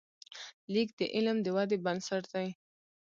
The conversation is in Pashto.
لیک د علم د ودې بنسټ دی.